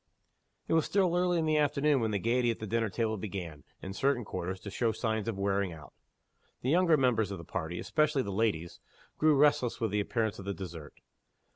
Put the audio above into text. It was still early in the afternoon when the gayety at the dinner table began, in certain quarters, to show signs of wearing out. The younger members of the party especially the ladies grew restless with the appearance of the dessert.